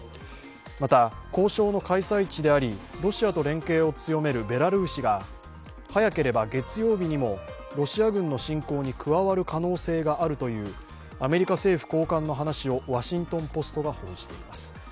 また、交渉の開催地でありロシアと連携を強めるベラルーシが早ければ月曜日にもロシア軍の侵攻に加わる可能性があるというアメリカ政府高官の話を「ワシントン・ポスト」紙が報じています。